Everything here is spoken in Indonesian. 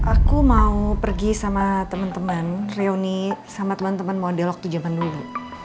aku mau pergi sama temen temen reuni sama temen temen model waktu jaman dulu